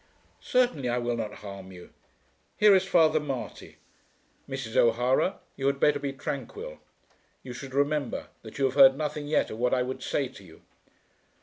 "Certainly I will not harm you. Here is Father Marty. Mrs. O'Hara you had better be tranquil. You should remember that you have heard nothing yet of what I would say to you."